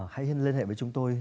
hãy hãy liên hệ với chúng tôi